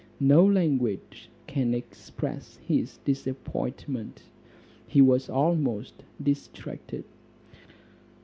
No language can express his disappointment; he was almost distracted.